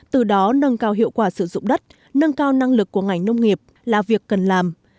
từ đó nâng cao hiệu quả sử dụng đất nâng cao năng lực của ngành nông nghiệp là việc cần làm